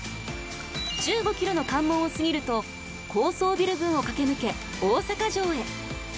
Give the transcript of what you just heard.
１５キロの関門を過ぎると高層ビル群を駆け抜け大阪城へ。